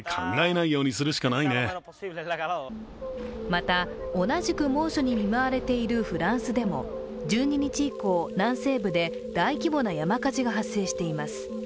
また、同じく猛暑に見舞われているフランスでも１２日以降、南西部で大規模な山火事が発生しています。